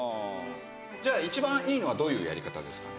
じゃあ一番いいのはどういうやり方ですか？